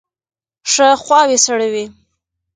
ښه خواوې سړوئ.